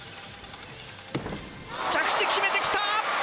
着地決めてきた！